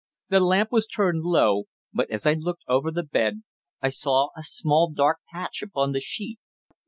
The lamp was turned low, but as I looked over the bed I saw a small dark patch upon the sheet.